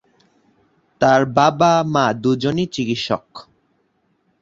তাঁর বাবা-মা দু’জনেই চিকিৎসক।